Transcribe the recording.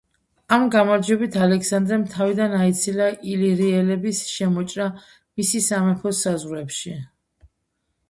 ამ გამარჯვებით ალექსანდრემ თავიდან აიცილა ილირიელების შემოჭრა მისი სამეფოს საზღვრებში.